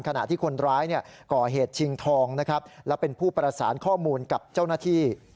ขณะที่คนร้ายก่อเหตุชิงทองนะครับและเป็นผู้ประสานข้อมูลกับเจ้าหน้าที่